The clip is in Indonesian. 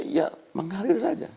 ya mengalir saja